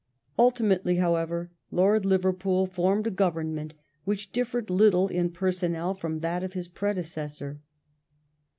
Ultimately, however, Lord Liverpool formed a Government which differed little in personnel from that of his predecessor.